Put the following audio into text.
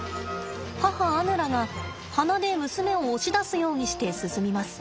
母アヌラが鼻で娘を押し出すようにして進みます。